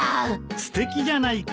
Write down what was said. すてきじゃないか！